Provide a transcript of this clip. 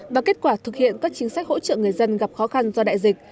và kết quả thực hiện các chính sách hỗ trợ người dân gặp khó khăn do đại dịch